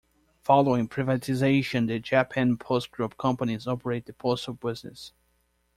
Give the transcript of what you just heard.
Following privatization, the Japan Post Group companies operate the postal business.